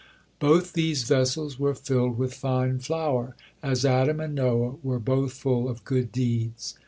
Both these vessels were filled with fine flour, as Adam and Noah were both full of good deeds.